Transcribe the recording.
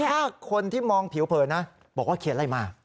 ถ้าคนที่มองผิวเผลอนะบอกว่าเขียนอะไรมา